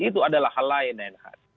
itu adalah hal lain reinhardt